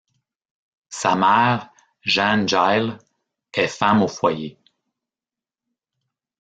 Sa mère, Jeanne Jayle, est femme au foyer.